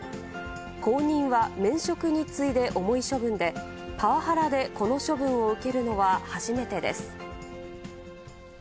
降任は免職に次いで重い処分で、パワハラでこの処分を受けるのは初めてです。